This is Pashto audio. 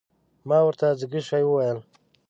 ما ورته ځکه شی وویل.